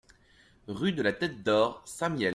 Rue de la Tête d'Or, Saint-Mihiel